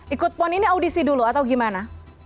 ikut pon ini audisi dulu atau gimana